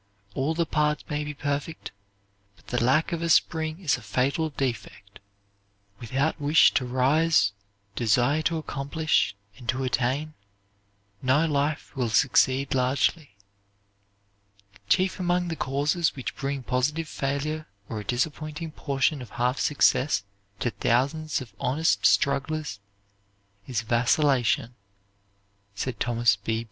All the parts may be perfect, but the lack of a spring is a fatal defect. Without wish to rise, desire to accomplish and to attain, no life will succeed largely. "Chief among the causes which bring positive failure or a disappointing portion of half success to thousands of honest strugglers is vacillation," said Thomas B.